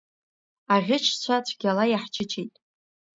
Аӷьычцәа цәгьала иаҳчычеит.